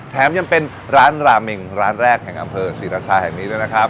แถมยังเป็นร้านราเมงร้านแรกแห่งอำเภอศรีราชาแห่งนี้ด้วยนะครับ